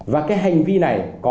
và cái hành vi này có